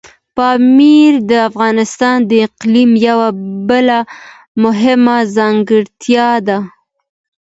پامیر د افغانستان د اقلیم یوه بله مهمه ځانګړتیا ده.